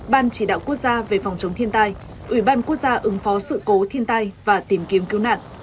ban chỉ đạo quốc gia về phòng chống thiên tai ủy ban quốc gia ứng phó sự cố thiên tai và tìm kiếm cứu nạn